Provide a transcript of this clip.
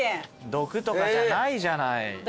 毒とかじゃないじゃない。